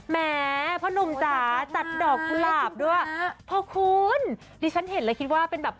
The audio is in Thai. แหมพ่อหนุ่มจ๋าจัดดอกกุหลาบด้วยพ่อคุณดิฉันเห็นเลยคิดว่าเป็นแบบ